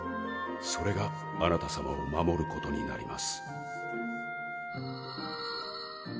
それがあなたさまを守ることになります